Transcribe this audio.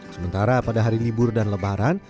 sementara pada hari libur dan lebaran